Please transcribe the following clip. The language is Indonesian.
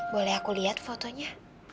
boleh aku lihat fotonya